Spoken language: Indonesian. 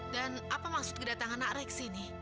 dan apa maksud kedatangan nak raih ke sini